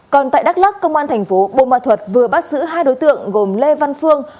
còn tại đắk lắc công an thành phố bồ mạ thuật vừa bắt xứ hai đối tượng gồm lê văn phương